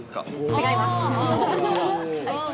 違います。